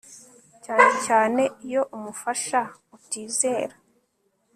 cyane cyane iyo umufasha utizera